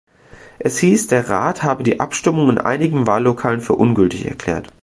Es hieß, der Rat habe die Abstimmung in einigen Wahllokalen für ungültig erklärt.